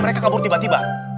mereka kabur tiba tiba